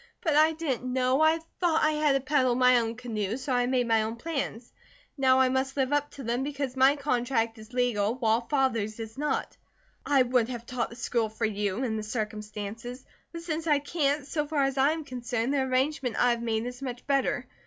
But I didn't know. I thought I had to paddle my own canoe, so I made my own plans. Now I must live up to them, because my contract is legal, while Father's is not. I would have taught the school for you, in the circumstances, but since I can't, so far as I am concerned, the arrangement I have made is much better.